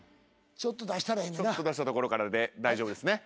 ちょっと出した所からで大丈夫ですね。